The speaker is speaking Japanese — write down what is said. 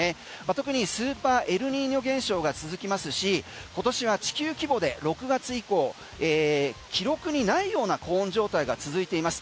特にスーパーエルニーニョ現象が続きますし、今年は地球規模で６月以降、記録にないような高温状態が続いています。